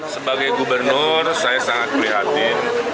sebagai gubernur saya sangat prihatin